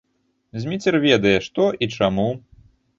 Зміцер ведае, што і чаму!